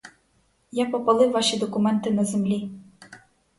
Я попалив ваші документи на землі.